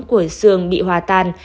của xương bị hòa tan